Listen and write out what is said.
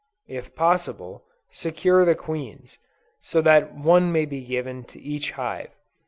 If possible, secure the queens, so that one may be given to each hive.